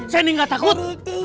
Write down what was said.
saya ini gak takut